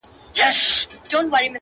• ستا د ژبې کيفيت او معرفت دی،